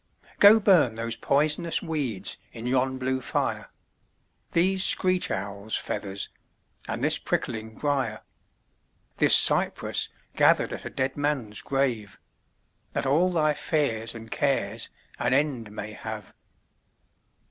Go burn those poisonous weeds in yon blue fire, These screech owl's feathers and this prickling briar, This cypress gathered at a dead man's grave, That all thy fears and cares an end may have.